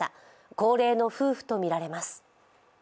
高齢の夫婦とみられます。